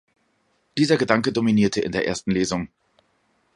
Dieser Gedanke dominierte in der ersten Lesung.